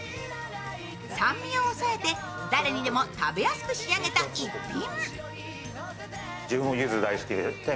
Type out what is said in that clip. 酸味を抑えて、誰にでも食べやすく仕上げた一品。